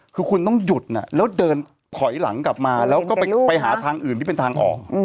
คือคุณต้องหยุดแล้วเดินถอยหลังกลับมาแล้วก็ไปหาทางอื่นที่เป็นทางออก